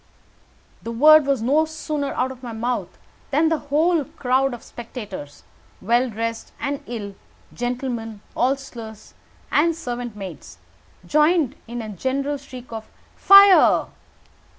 The word was no sooner out of my mouth than the whole crowd of spectators, well dressed and ill gentlemen, hostlers, and servant maids joined in a general shriek of "Fire!"